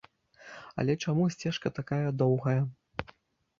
Але чаму сцежка такая доўгая?